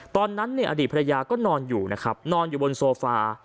ตอนนั้นเนี่ยอดีตภรรยาก็นอนอยู่นะครับนอนอยู่บนโซฟา